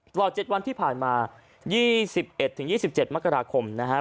ตลอด๗วันที่ผ่านมา๒๑๒๗มกราคมนะครับ